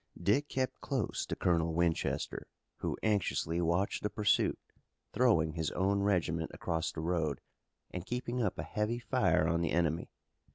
Dick kept close to Colonel Winchester who anxiously watched the pursuit, throwing his own regiment across the road, and keeping up a heavy fire on the enemy.